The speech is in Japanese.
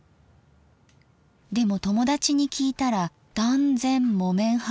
でも友達に聞いたら断然木綿派でした。